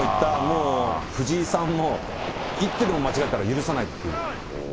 さっき言った藤井さんも、一手でも間違えたら許さないっていう。